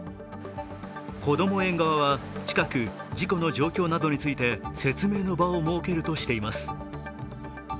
こども園側は近く事故の状況などについて説明の場を設けるとしています。